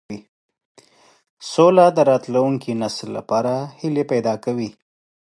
سوله د راتلونکي نسل لپاره هیلې پیدا کوي.